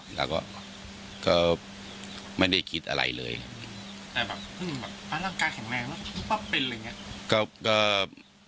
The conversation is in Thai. จากก็ไม่ได้คิดอะไรเลยครับ